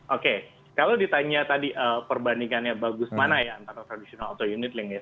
oke kalau ditanya tadi perbandingannya bagus mana ya antara tradisional atau unitlink ya